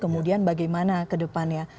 kemudian bagaimana ke depannya